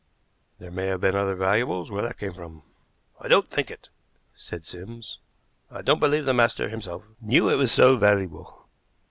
"There may have been other valuables where that came from." "I don't think it," said Sims. "I don't believe the master himself knew it was so valuable."